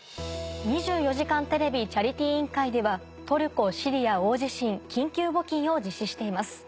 「２４時間テレビチャリティー委員会」ではトルコ・シリア大地震緊急募金を実施しています。